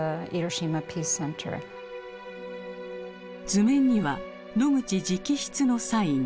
図面にはノグチ直筆のサイン。